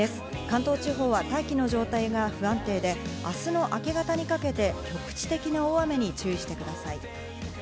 関東地方は大気の状態が不安定で、明日の明け方にかけて局地的な大雨に注意してください。